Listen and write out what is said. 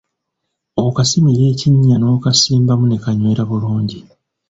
Okasimira ekinnya n’okasimbamu ne kanywera bulungi.